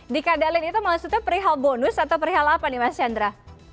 dikadalin itu maksudnya perihal bonus atau perihal apa nih mas chandra